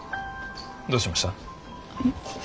どうしました？